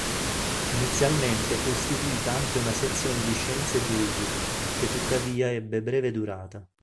Inizialmente fu istituita anche una sezione di Scienze Giuridiche, che tuttavia ebbe breve durata.